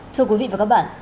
thưa quý vị và các bạn